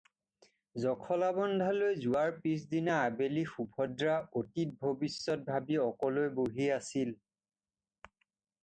জখলাবন্ধালৈ যোৱাৰ পিচ দিনা আবেলি সুভদ্ৰা অতীত-ভবিষ্যত ভাবি অকলৈ বহি আছিল।